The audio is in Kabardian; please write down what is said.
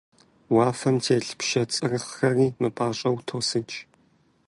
Уафэм телъ пшэ цӀырхъхэри мыпӀащӀэу тосыкӀ.